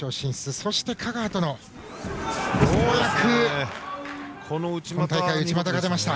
そして香川との対戦でようやく内股が出ました。